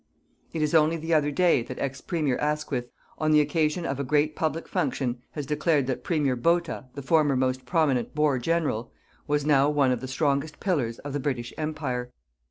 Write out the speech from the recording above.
It is only the other day that ex Premier Asquith, on the occasion of a great public function, has declared that Premier Botha, the former most prominent Boer General, was now one of the strongest pillars of the British Empire.